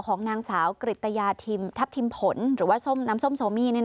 ของนางสาวกริตยาทิมทัพทิมผลหรือว่าน้ำส้มโซมี่